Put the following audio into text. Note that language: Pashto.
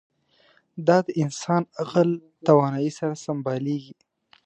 دا د انسان عقل توانایۍ سره سمبالېږي.